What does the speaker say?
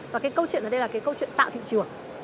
và cái câu chuyện ở đây là cái câu chuyện tạo thị trường